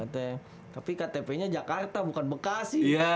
tapi ktp nya jakarta bukan bekasi